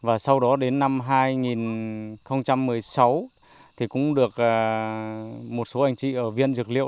và sau đó đến năm hai nghìn một mươi sáu thì cũng được một số anh chị ở viện dược liệu